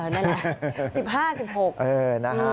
๑๕๑๖พฤษภาคม